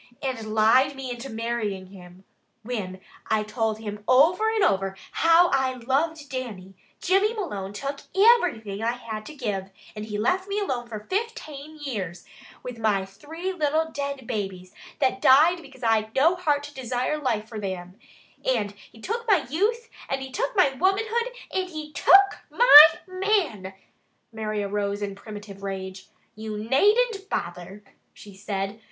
"And lied me into marrying him, whin I told him over and over how I loved Dannie. Jimmy Malone took iverything I had to give, and he left me alone for fiftane years, with my three little dead babies, that died because I'd no heart to desire life for thim, and he took my youth, and he took my womanhood, and he took my man " Mary arose in primitive rage. "You naden't bother!" she said.